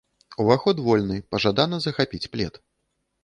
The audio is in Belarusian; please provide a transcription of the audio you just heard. Уваход вольны, пажадана захапіць плед.